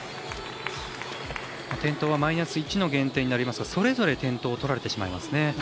転倒はマイナス１の減点になりますがそれぞれ転倒をとられてしまいますね。